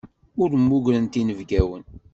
Ur mmugrent inebgawen.